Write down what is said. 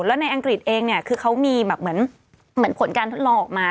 และในอังกฤษเองคือเขามีเหมือนผลการทดลองออกมา